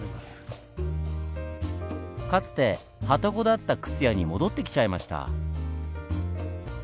かつて旅籠だった靴屋に戻ってきちゃいました。